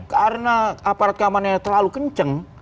karena aparat keamanan yang terlalu kenceng